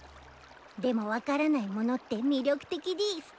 でも分からないものって魅力的でぃす。